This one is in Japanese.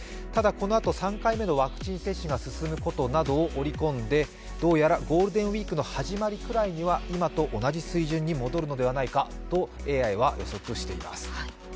ただこのあと３回目のワクチン接種が進むことなどを織り込んでどうやらゴールデンウイークの始まりくらいには今と同じ水準に戻るのではないかとＡＩは予測しています。